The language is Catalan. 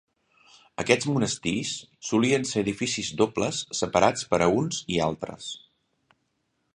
Aquests monestirs solien ser edificis dobles separats per a uns i altres.